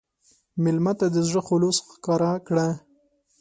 مېلمه ته د زړه خلوص ښکاره کړه.